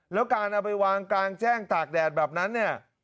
แล้วการเอาไปวางกลางแจ้งตากแดดแบบนั้นเนี่ย